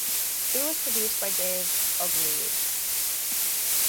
It was produced by Dave Ogilvie.